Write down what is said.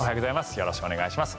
よろしくお願いします。